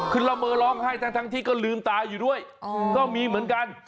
คือละเมอร้องไห้ทั้งที่ก็ลืมตาอยู่ด้วยก็มีเหมือนกัน